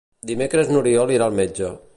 Dimecres n'Oriol irà al metge.